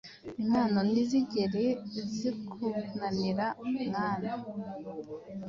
Impano ntizigere zikunanira mwana